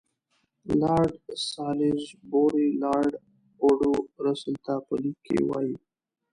لارډ سالیزبوري لارډ اوډو رسل ته په لیک کې وایي.